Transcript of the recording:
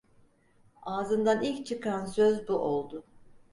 Ağzından ilk çıkan söz bu oldu.